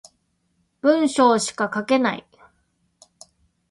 文章しか書けない